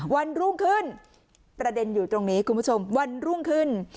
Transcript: วันรุ่งขึ้นประเด็นอยู่ตรงนี้คุณผู้ชมวันรุ่งขึ้น